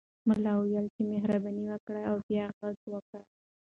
ملا وویل چې مهرباني وکړه او بیا غږ وکړه.